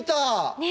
ねえ。